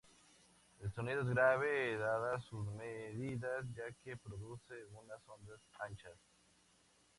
El sonido es grave dadas sus medidas, ya que produce unas ondas anchas.